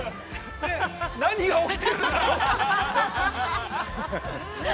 ◆何が起きているんだろうって。